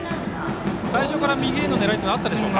最初から右への狙いはあったでしょうか？